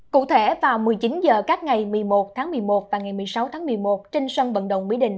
cụ thể vào một mươi chín h các ngày một mươi một tháng một mươi một và ngày một mươi sáu tháng một mươi một trên sân vận động mỹ đình